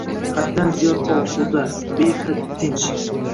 Haddan ziyod osuda, behad tinch